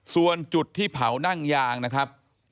ส่วนจุดที่เผานั่งยางนะครับ